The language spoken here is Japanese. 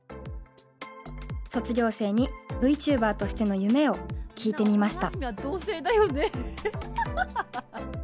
卒業生にＶＴｕｂｅｒとしての夢を聞いてみました。